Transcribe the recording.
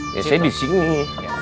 ya saya di sini